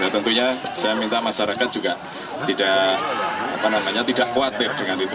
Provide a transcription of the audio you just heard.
tentunya saya minta masyarakat juga tidak apa namanya tidak khawatir dengan itu